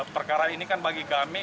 perkara ini kan bagi kami